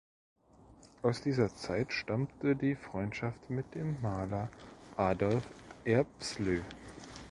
Aus dieser Zeit stammte die Freundschaft mit dem Maler Adolf Erbslöh.